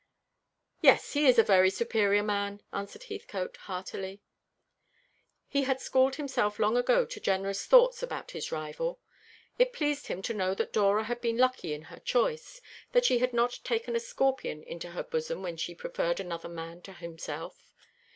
"Yes, he is a very superior man," answered Heathcote heartily. He had schooled himself long ago to generous thoughts about his rival. It pleased him to know that Dora had been lucky in her choice, that she had not taken a scorpion into her bosom when she preferred another man to himself.